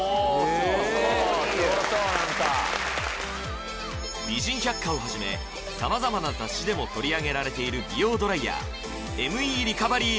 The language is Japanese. そうすごそう何か「美人百花」をはじめ様々な雑誌でも取り上げられている美容ドライヤーＭＥリカバリー